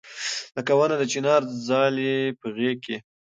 لکه ونه د چنار ځالې په غېږ کې